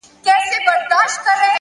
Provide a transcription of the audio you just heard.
پوهه د فکر ژورتیا زیاتوي!.